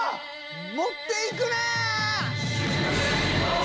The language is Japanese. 持っていくな！